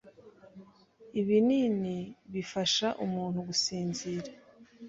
ibinini bifasha umuntu gusinzira